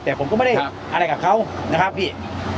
แต่ผมก็ไม่ได้อะไรกับเขานะครับพี่